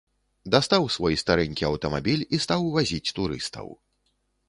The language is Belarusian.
Дастаў свой старэнькі аўтамабіль і стаў вазіць турыстаў.